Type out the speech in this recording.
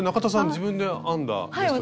自分で編んだベストですよね？